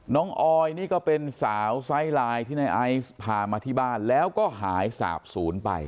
ออยนี่ก็เป็นสาวไซส์ไลน์ที่ในไอซ์พามาที่บ้านแล้วก็หายสาบศูนย์ไป